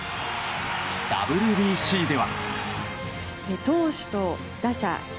ＷＢＣでは。